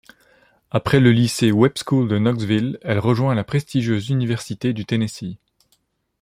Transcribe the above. Après le lycée Webb School de Knoxville, elle rejoint la prestigieuse université du Tennessee.